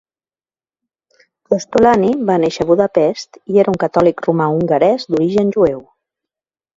Kostolany va néixer a Budapest i era un catòlic romà hongarès d'origen jueu.